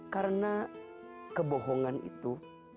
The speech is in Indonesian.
karena kebohongan itu